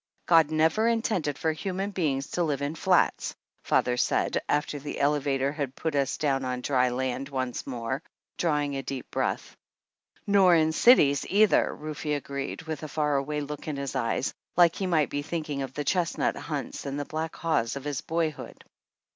"God never intended for human beings to live in flats," father said, after the elevator had put 143 THE ANNALS OF ANN us down on dry land once more, drawing a deep breath. "Nor in cities either," Rufe agreed, with a far away look in his eyes, like he might be think ing of the chestnut hunts and black haws of his boyhood.